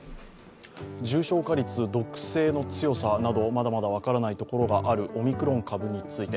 重症化率、毒性の強さなどまだまだ分からないところがあるオミクロン株について。